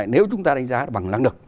nếu chúng ta đánh giá bằng năng lực